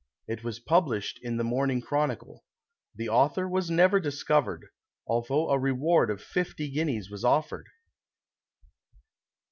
It was published in the Morning Chronicle. The author was never discovered, although a reward of fifty guineas was offered.